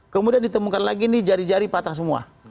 kemudian ditemukan lagi nih jari jari patah semua